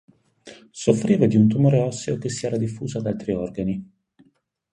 Soffriva di un tumore osseo che si era diffuso ad altri organi.